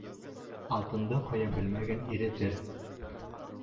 Алтынды ҡоя белмәгән иретер